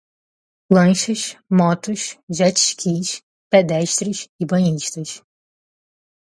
lanchas, motos, jet-skis, pedestres e banhistas